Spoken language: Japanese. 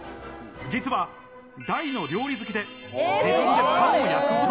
実は、大の料理好きで、自分でパンも焼くほど。